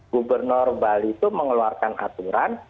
gubernur bali itu mengeluarkan aturan